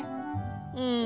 うん。